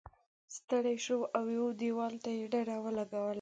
ستړی شو او یوه دیوال ته یې ډډه ولګوله.